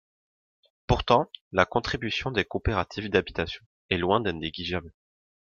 Pourtant, la contribution des coopératives d’habitation est loin d’être négligeable.